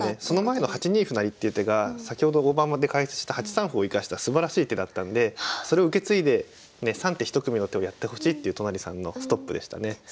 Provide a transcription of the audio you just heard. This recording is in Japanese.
その前の８二歩成っていう手が先ほど大盤で解説した８三歩を生かしたすばらしい手だったんでそれを受け継いで３手１組の手をやってほしいっていう都成さんのストップでしたね。